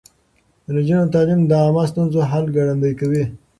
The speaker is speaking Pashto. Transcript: د نجونو تعليم د عامه ستونزو حل ګړندی کوي.